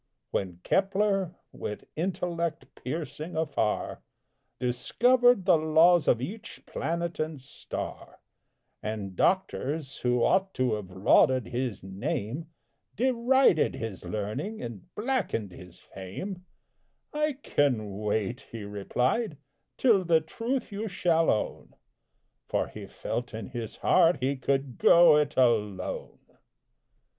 When Kepler, with intellect piercing afar, Discovered the laws of each planet and star, And doctors, who ought to have lauded his name, Derided his learning and blackened his fame, "I can wait," he replied, "till the truth you shall own;" For he felt in his heart he could "go it alone!"